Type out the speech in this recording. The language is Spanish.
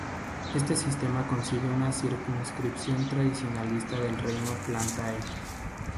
Este sistema concibe una circunscripción tradicionalista del reino Plantae.